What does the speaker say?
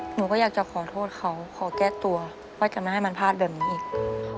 หนูก็อยากจะขอโทษเขาขอแก้ตัวว่าจะไม่ให้มันพลาดแบบนี้อีก